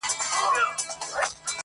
په هر ځای کي چي مي وغواړی حضور یم.!